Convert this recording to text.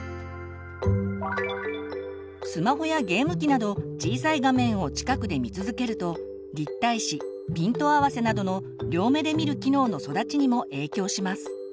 スマホやゲーム機など小さい画面を近くで見続けると立体視ピント合わせなどの両目で見る機能の育ちにも影響します。